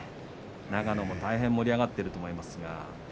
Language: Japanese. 長野も大変盛り上がっていると思います。